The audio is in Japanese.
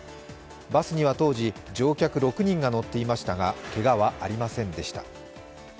バスには当時、乗客６人が乗っていましたがけがはありませんでした。